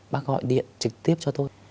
bác gọi điện trực tiếp cho tôi